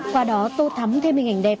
qua đó tô thắm thêm hình ảnh đẹp